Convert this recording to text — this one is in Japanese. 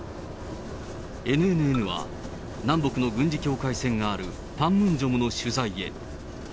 ＮＮＮは、南北の軍事境界線があるパンムンジョムの取材へ。